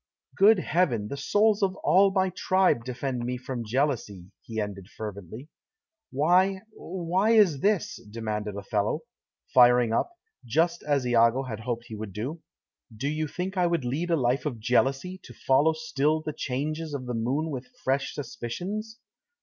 "Good Heaven! the souls of all my tribe defend me from jealousy!" he ended fervently. "Why why is this?" demanded Othello, firing up, just as Iago had hoped he would do. "Do you think I would lead a life of jealousy, to follow still the changes of the moon with fresh suspicions?